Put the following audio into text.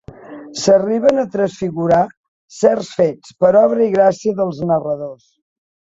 S'arriben a transfigurar certs fets, per obra i gràcia dels narradors.